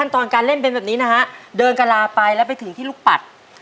ตอนการเล่นเป็นแบบนี้นะฮะเดินกระลาไปแล้วไปถึงที่ลูกปัด